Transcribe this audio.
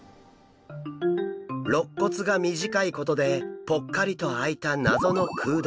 ろっ骨が短いことでぽっかりと空いた謎の空洞。